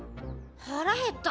腹減った。